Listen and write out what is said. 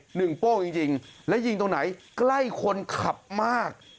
หนึ่งโป้งจริงและยิงตรงไหนใกล้คนขับมาก